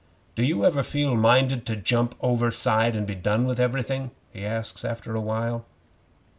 "Do you ever feel minded to jump overside and be done with everything?" he asks after a while.